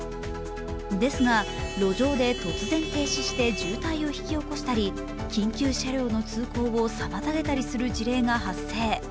ですが、路上で突然停止して渋滞を引き起こしたり緊急車両の通行を妨げたりする事例が発生。